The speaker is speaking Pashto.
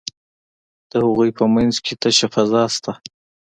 د هغوی په منځ کې تشه فضا شته ده.